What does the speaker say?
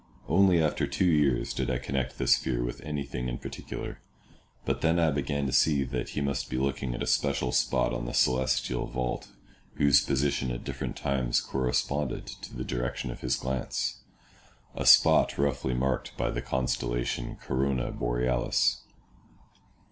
Only after two years did I connect this fear with anything in particular; but then I began to see that he must be looking at a special spot on the celestial vault whose position at different times corresponded to the direction of his glance—a spot roughly marked by the constellation Corona Borealis.